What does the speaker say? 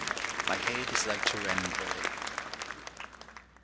MY HEID IS LIKE TO REND, WILLIE.